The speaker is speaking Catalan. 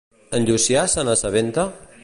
En Llucià se n'assabenta?